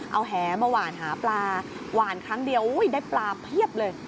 เอาแหมาหวานหาปลาหวานครั้งเดียวได้ปลาเพียบเลย